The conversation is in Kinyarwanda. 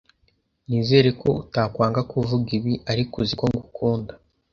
Nizere ko utakwanga kuvuga ibi, ariko uzi ko ngukunda.